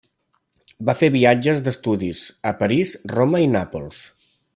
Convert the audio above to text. Va fer viatges d'estudis a París, Roma i Nàpols.